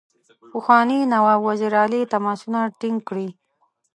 پخواني نواب وزیر علي تماسونه ټینګ کړي.